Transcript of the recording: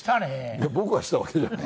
いや僕がしたわけじゃない。